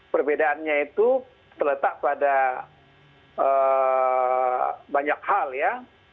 perbedaannya itu terletak pada banyak hal ya